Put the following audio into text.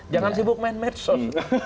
jangan sibuk main medsos